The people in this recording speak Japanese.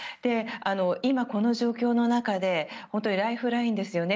今、この状況の中で本当に、ライフラインですよね。